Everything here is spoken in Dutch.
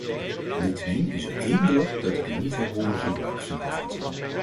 Niettemin is er één woord dat ik u niet heb horen gebruiken vanavond.